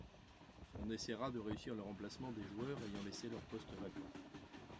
On essaiera de réussir le remplacement des joueurs ayant laissé leurs postes vacants.